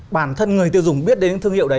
bản thân người tiêu dùng biết đến thương hiệu đấy